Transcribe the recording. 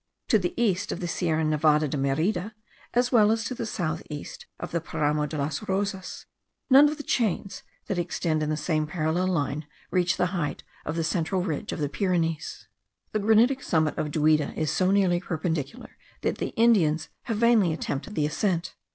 To the east of the Sierra Nevada de Merida, as well as to the south east of the Paramo de las Rosas, none of the chains that extend in the same parallel line reach the height of the central ridge of the Pyrenees. The granitic summit of Duida is so nearly perpendicular that the Indians have vainly attempted the ascent.